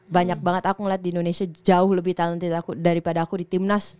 banyak banget aku ngeliat di indonesia jauh lebih talentid daripada aku di timnas